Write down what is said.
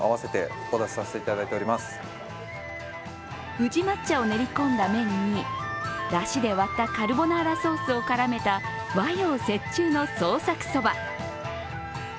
宇治抹茶を練り込んだ麺にだしで割ったカルボナーラソースを絡めた和洋折衷の創作そば。